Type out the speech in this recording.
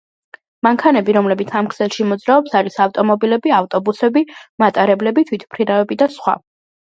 მანქანები, რომლებიც ამ ქსელში მოძრაობს არის ავტომობილები, ავტობუსები, მატარებლები, თვითმფრინავები და სხვა.